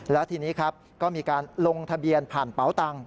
แล้วทีนี้ครับก็มีการลงทะเบียนผ่านเป๋าตังค